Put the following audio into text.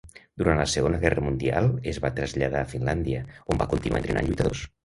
Durant la Segona Guerra Mundial es va traslladar a Finlàndia, on va continuar entrenant lluitadors.